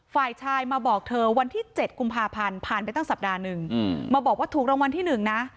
ฝ่ายชายมาบอกเธอวันที่๗กุมภาพันธ์ผ่านไปตั้งสัปดาห์นึงมาบอกว่าถูกรางวัลที่๑นะ